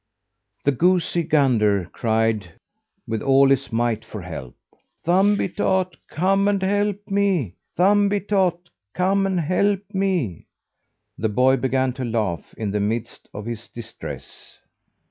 The goosey gander cried with all his might for help: "Thumbietot, come and help me! Oh, Thumbietot, come and help me!" The boy began to laugh in the midst of his distress.